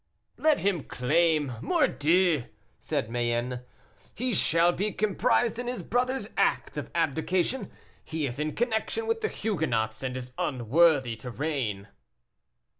"Let him claim, mordieu!" said Mayenne; "he shall be comprised in his brother's act of abdication. He is in connection with the Huguenots, and is unworthy to reign."